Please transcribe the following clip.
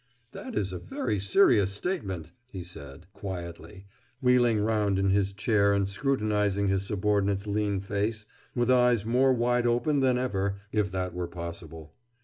"That is a very serious statement," he said quietly, wheeling round in his chair and scrutinizing his subordinate's lean face with eyes more wide open than ever, if that were possible.